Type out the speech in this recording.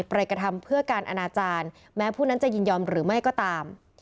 ไปกระทำเพื่อการอนาจารย์แม้ผู้นั้นจะยินยอมหรือไม่ก็ตาม